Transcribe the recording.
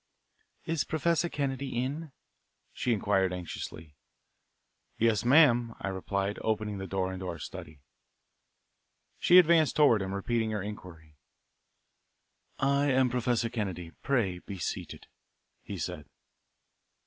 "Is Professor Kennedy in?" she inquired anxiously. "Yes, ma'am;" I replied, opening the door into our study. She advanced toward him, repeating her inquiry. "I am Professor Kennedy. Pray be seated," he said.